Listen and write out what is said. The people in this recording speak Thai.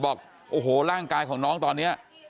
บอกโอ้โหร่างกายของน้องตอนนี้